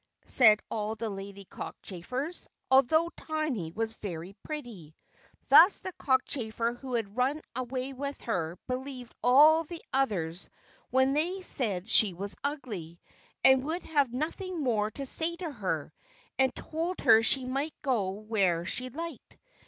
said all the lady cockchafers, although Tiny was very pretty. Then the cockchafer who had run away with her, believed all the others when they said she was ugly, and would have nothing more to say to her, and told her she might go where she liked.